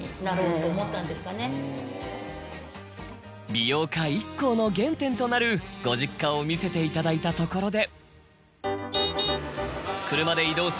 美容家ＩＫＫＯの原点となるご実家を見せていただいたところで。